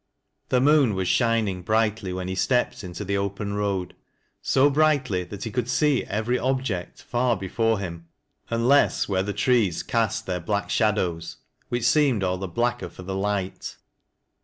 Thb moon was shining brightly wheHj he stepped into the open road — so brightly that he could see every object far before him nnless where the trees cast their black shadows, which seemed all the blacker for the light.